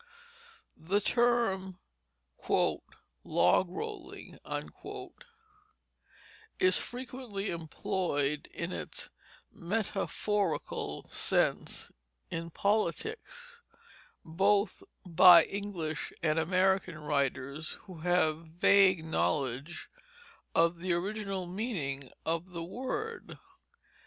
The term "log rolling" is frequently employed in its metaphorical sense in politics, both by English and American writers who have vague knowledge of the original meaning of the word.